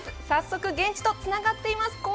早速現地とつながっています。